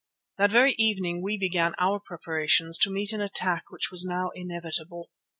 That very evening we began our preparations to meet an attack which was now inevitable.